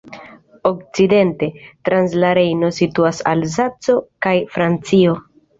Okcidente, trans la Rejno, situas Alzaco kaj Francio.